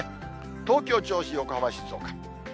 東京、銚子、横浜、静岡。